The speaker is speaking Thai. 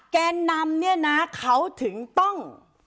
แกนนำเนี่ยนะเขาถึงต้อง